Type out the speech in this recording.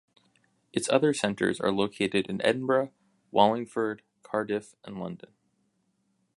Its other centres are located in Edinburgh, Wallingford, Cardiff and London.